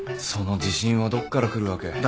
その自信はどっから来るわけ？